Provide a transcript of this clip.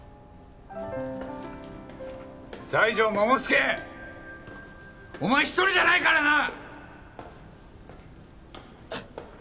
西条桃介！お前一人じゃないからな！